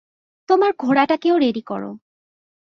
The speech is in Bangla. তোমার ঘোড়াটাকেও রেডি করো।